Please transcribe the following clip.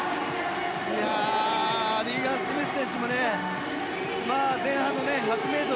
リーガン・スミス選手も前半の１００ｍ